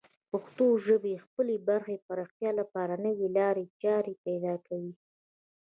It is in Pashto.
پښتو ژبه د خپلې برخې پراختیا لپاره نوې لارې چارې پیدا کوي.